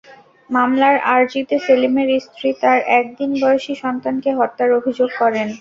মামলার আরজিতে সেলিমের স্ত্রী তাঁরএক দিন বয়সী সন্তানকে হত্যার অভিযোগ করেন।